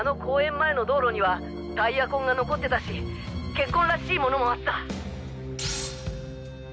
前の道路にはタイヤ痕が残ってたし血痕らしいものもあった。